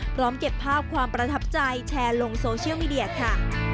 พร้อมเก็บภาพความประทับใจแชร์ลงโซเชียลมีเดียค่ะ